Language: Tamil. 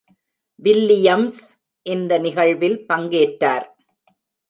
வில்லியம்ஸ் இந்த நிகழ்வில் பங்கேற்றார்.